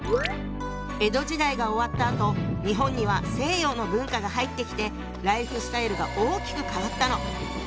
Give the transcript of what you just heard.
江戸時代が終わったあと日本には西洋の文化が入ってきてライフスタイルが大きく変わったの。